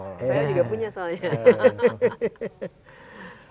saya juga punya soalnya